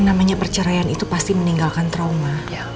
namanya perceraian itu pasti meninggalkan trauma